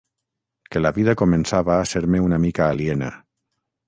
Que la vida començava a ser-me una mica aliena.